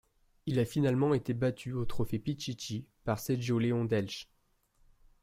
Il a finalement été battu au trophée Pichichi par Sergio León d'Elche.